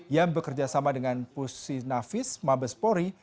yang bekerjasama dengan pusinavis mabes polri